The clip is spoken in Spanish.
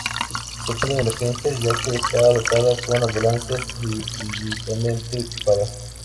Se atienden emergencias ya que está dotada con ambulancias debidamente equipadas.